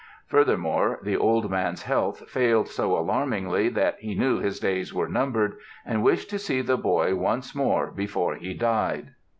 Furthermore, the old man's health failed so alarmingly that he knew his days were numbered and wished to see the boy once more before he died.